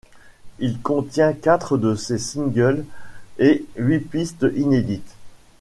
Il contient quatre de ses singles et huit pistes inédites.